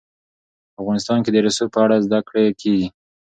افغانستان کې د رسوب په اړه زده کړه کېږي.